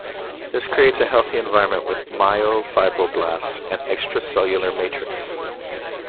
This creates a healthy environment with myofibroblasts and extracellular matrix.